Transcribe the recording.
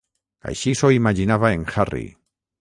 Així s'ho imaginava en Harry.